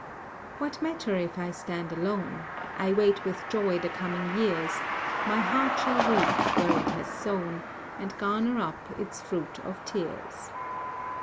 What matter if I stand alone? I wait with joy the coming years; My heart shall reap where it has sown, And garner up its fruit of tears.